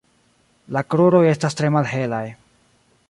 La kruroj estas tre malhelaj.